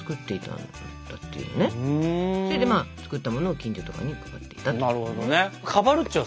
それでまあ作ったものを近所とかに配っていたっていう。